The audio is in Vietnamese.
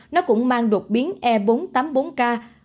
nó cũng mang đột biến e bốn trăm tám mươi bốn k